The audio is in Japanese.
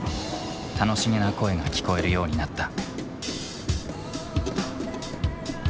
楽しげな声が聞こえるようになった。